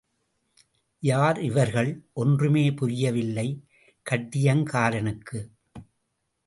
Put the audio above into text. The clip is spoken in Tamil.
யார் இவர்கள்? ஒன்றுமே புரியவில்லை கட்டியங்காரனுக்கு.